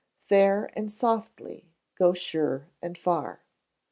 [FAIR AND SOFTLY GO SURE AND FAR.